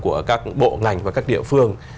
của các bộ ngành và các địa phương